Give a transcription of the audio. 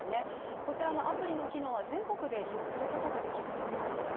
こちらのアプリの機能は全国で利用することができるということです。